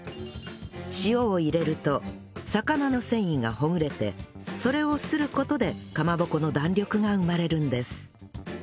塩を入れると魚の繊維がほぐれてそれをする事でかまぼこの弾力が生まれるんです